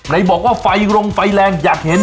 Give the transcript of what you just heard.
บอกว่าไฟรงไฟแรงอยากเห็น